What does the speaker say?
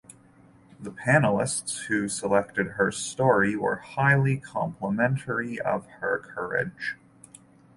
The panelists who selected her story were highly complimentary of her courage.